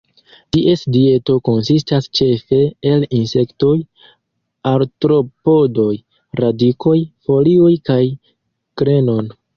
Ties dieto konsistas ĉefe el insektoj, artropodoj, radikoj, folioj kaj grenon.